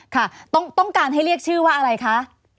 ค่ะต้องการให้เรียกชื่อว่าอะไรคะ